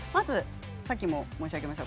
さっきも申し上げました